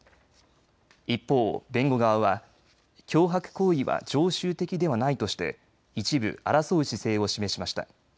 一方、弁護側は脅迫行為は常習的ではないとして一部、争う姿勢を示しました。